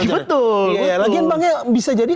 betul lagian bang bisa jadi